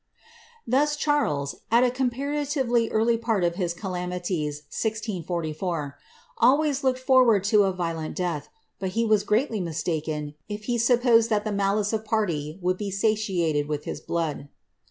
Thus Charles, at a comparatively early part of his calamities (1644), always looked forward to a violent death ; but he was greatly mistakes, if he supposed that the malice of party would be satiated with his blood.